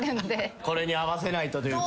これに合わせないとというか。